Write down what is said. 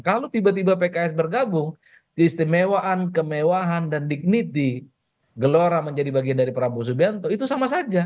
kalau tiba tiba pks bergabung keistimewaan kemewahan dan dignity gelora menjadi bagian dari prabowo subianto itu sama saja